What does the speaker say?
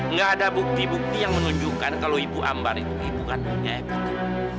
nggak ada bukti bukti yang menunjukkan kalau ibu ambar itu ibu kandungnya begitu